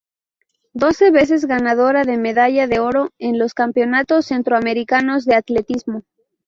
Doce veces ganadora de Medalla de Oro en los Campeonatos Centroamericanos de Atletismo.